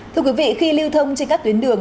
thưa quý vị khi lưu thông trên các tuyến đường